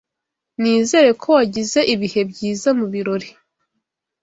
Nizere ko wagize ibihe byiza mubirori.